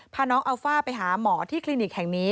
พาน้องอัลฟ่าไปหาหมอที่คลินิกแห่งนี้